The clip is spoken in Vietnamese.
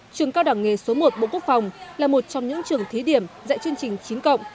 trường cao đẳng nghề số một bộ quốc phòng là một trong những trường thí điểm dạy chương trình chín cộng